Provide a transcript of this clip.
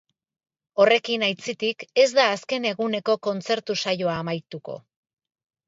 Horrekin, aitzitik, ez da azken eguneko kontzertu-saioa amaituko.